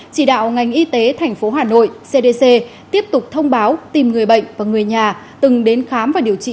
chỉ đạo ngành y tế tp hà nội cdc tiếp tục thông báo tìm người bệnh và người nhà từng đến khám và điều trị